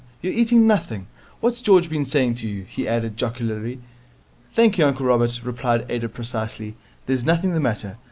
You're eating nothing. What's George been saying to you?' he added jocularly. 'Thank you, uncle Robert,' replied Ada precisely, 'there's nothing the matter.